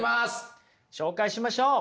紹介しましょう。